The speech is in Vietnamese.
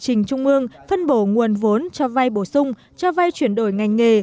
trình trung ương phân bổ nguồn vốn cho vai bổ sung cho vai chuyển đổi ngành nghề